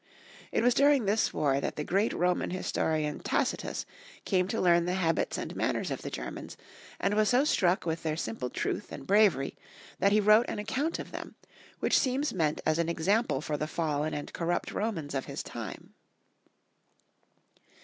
It was during this war that the great Roman historian The Germans and Momans. 87 Tacitus came to learn the habits and manners of the Germans, and was so struck with their simple truth and bravery that he wrote an account of them, which seems meant as an example for the fallen and corrupt Romans of his time.